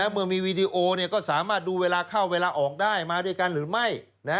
เมื่อมีวีดีโอก็สามารถดูเวลาเข้าเวลาออกได้มาด้วยกันหรือไม่